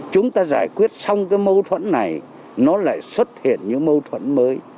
chúng ta giải quyết xong cái mâu thuẫn này nó lại xuất hiện những mâu thuẫn mới